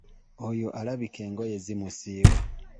Oyo alabika engoye zimusiiwa.